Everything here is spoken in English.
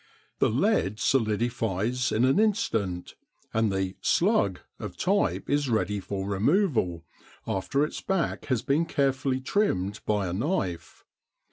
The lead solidifies in an instant, and the "slug" of type is ready for removal, after its back has been carefully trimmed by a knife.